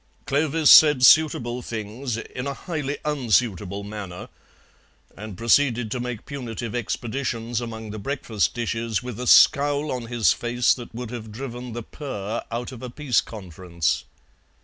Clovis said suitable things in a highly unsuitable manner, and proceeded to make punitive expeditions among the breakfast dishes with a scowl on his face that would have driven the purr out of a peace conference.